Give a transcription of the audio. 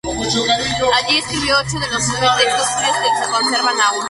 Allí escribió ocho de los nueve textos suyos que se conservan aún.